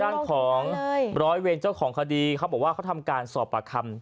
ด้านของร้อยเวรเจ้าของคดีเขาบอกว่าเขาทำการสอบปากคำ